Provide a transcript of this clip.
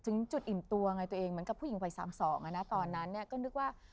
ถึงจุดอิ่มตัวไงตัวเองเหมือนกับผู้หญิงวัย๓๒อะนะตอนนั้นเนี่ยก็นึกว่า